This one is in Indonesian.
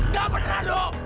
gak pernah lo